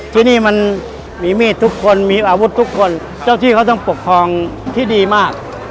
ที่นี่มันมีมีดทุกคนมีอาวุธทุกคนเจ้าที่เขาต้องปกครองที่ดีมาก